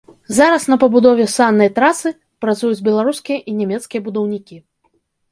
Зараз на пабудове саннай трасы працуюць беларускія і нямецкія будаўнікі.